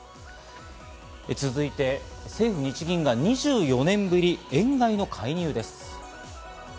続いて、政府、日銀が２４年ぶり、円買いの介入です。